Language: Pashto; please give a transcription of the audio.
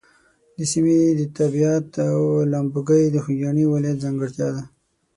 د سیمې طبیعت او لامبوګۍ د خوږیاڼي ولایت ځانګړتیا ده.